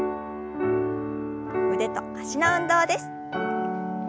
腕と脚の運動です。